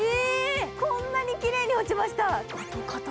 こんなにきれいに落ちました。